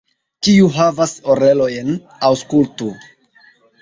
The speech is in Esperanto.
Kiu havas orelojn, aŭskultu!